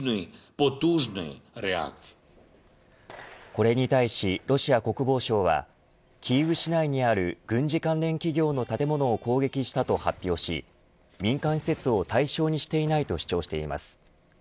これに対しロシア国防省はキーウ市内にある軍事関連企業の建物を攻撃したと発表し民間施設を対象にしていないと主張しています。